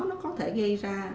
nó có thể gây ra